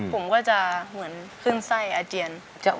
ผมก็จะเหมือนขึ้นไส้อาเจียน